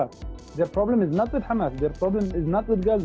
masalahnya bukan dengan hamas masalahnya bukan dengan gaza